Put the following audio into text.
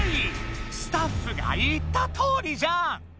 スタッフが言ったとおりじゃん！